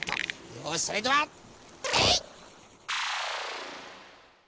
よしそれではえい！